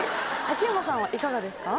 秋山さんはいかがですか？